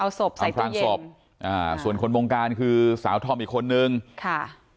เอาศพใส่อำพลางศพอ่าส่วนคนวงการคือสาวธอมอีกคนนึงค่ะ